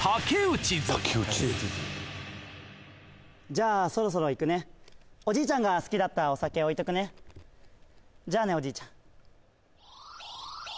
じゃあそろそろ行くねおじいちゃんが好きだったお酒置いとくねじゃあねおじいちゃん「ＵＦＯＣＡＴＣＨＥＲ」？